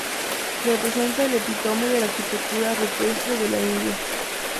Representa el epítome de la arquitectura rupestre de la India.